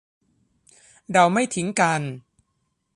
เราไม่ทิ้งกัน